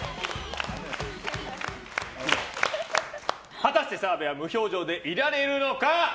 果たして澤部は無表情でいられるのか。